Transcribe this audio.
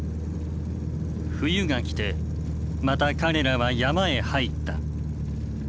冬が来てまた彼らは山へ入った。